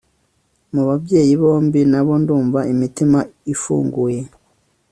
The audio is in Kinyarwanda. mubabyeyi bombi nabo ndumva imitima ifunguye